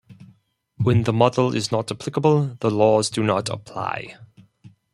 When the model is not applicable, the laws do not apply.